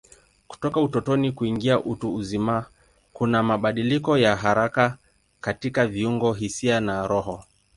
Kutoka utotoni kuingia utu uzima kuna mabadiliko ya haraka katika viungo, hisia na roho.